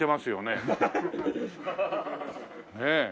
ねえ。